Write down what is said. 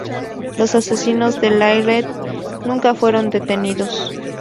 Los asesinos de Layret nunca fueron detenidos.